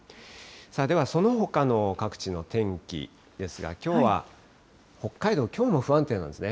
ではそのほかの各地の天気ですが、きょうは北海道、きょうも不安定なんですね。